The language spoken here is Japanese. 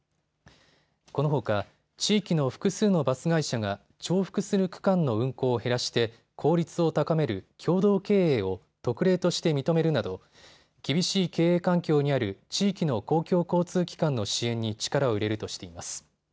このほか地域の複数のバス会社が重複する区間の運行を減らして効率を高める共同経営を特例として認めるなど厳しい経営環境にある地域の公共交通機関の支援に力を入れるとしています。